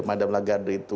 madam lagarde itu